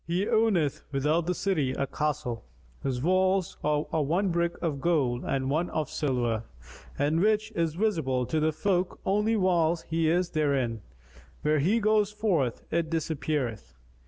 He owneth without the city a castle, whose walls are one brick of gold and one of silver and which is visible to the folk only whilst he is therein: when he goeth forth, it disappeareth.